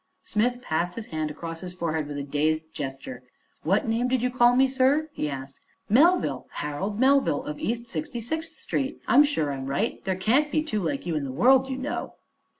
Smith passed his hand across his forehead with a dazed gesture. "What name did you call me, sir?" he asked. "Melville; Harold Melville, of East Sixty sixth street. I'm sure I'm right. There can't be two like you in the world, you know."